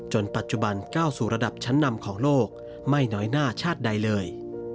ปัจจุบันก้าวสู่ระดับชั้นนำของโลกไม่น้อยหน้าชาติใดเลย